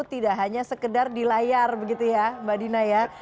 tidak hanya sekedar di layar begitu ya mbak dina ya